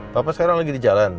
bapak sekarang lagi di jalan